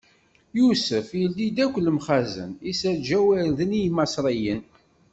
Yusef ildi akk lemxazen, issaǧaw irden i Imaṣriyen.